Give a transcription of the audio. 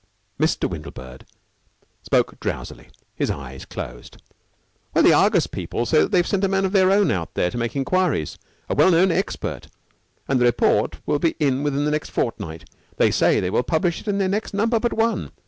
Mr. Windlebird spoke drowsily. His eyes closed. "Well, the Argus people say that they have sent a man of their own out there to make inquiries, a well known expert, and the report will be in within the next fortnight. They say they will publish it in their next number but one.